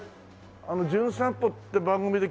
『じゅん散歩』って番組で来ました